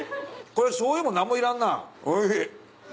これしょうゆも何もいらんなおいしい。